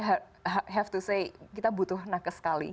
ya harus kata kita butuh nakas sekali